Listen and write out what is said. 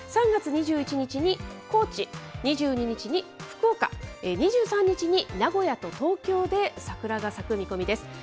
３月２１日に高知、２２日に福岡、２３日に名古屋と東京で桜が咲く見込みです。